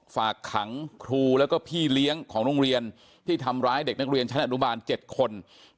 ฝากขังครูแล้วก็พี่เลี้ยงของโรงเรียนที่ทำร้ายเด็กนักเรียนชั้นอนุบาล๗คน